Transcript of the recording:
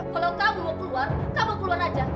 kalau kamu mau keluar kamu keluar aja